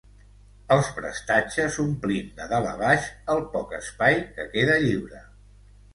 Els prestatges omplin de dalt a baix el poc espai que queda lliure.